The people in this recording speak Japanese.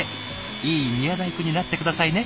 いい宮大工になって下さいね。